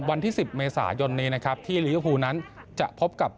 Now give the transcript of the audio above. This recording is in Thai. วันที่๑๐เมษายนนี้นะครับที่ลิเวอร์ฟูนั้นจะพบกับ